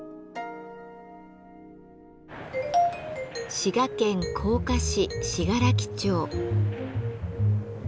滋賀県甲賀市信楽町。